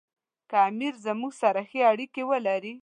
که امیر زموږ سره ښې اړیکې ولري.